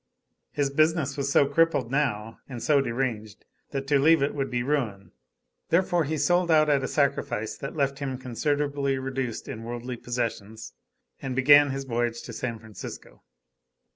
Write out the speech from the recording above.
His business was so crippled now, and so deranged, that to leave it would be ruin; therefore he sold out at a sacrifice that left him considerably reduced in worldly possessions, and began his voyage to San Francisco.